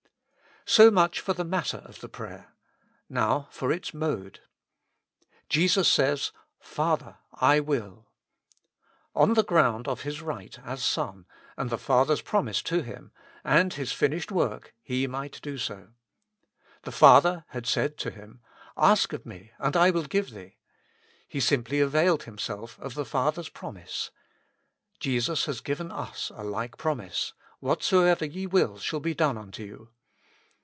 So much for the matter of the prayer. Now for its mode. Jesus says, "Father! I will." On the ground of His right as Son, and the Father's promise to Him, and His finished work. He might do so. The Father had said to Him, "Ask of me, and I will give Thee." He simply availed Himself of the Father's promise. Jesus has given us a like promise :" What soever ye will shall be done unto you."